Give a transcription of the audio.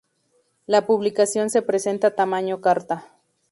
La publicación se presenta tamaño carta".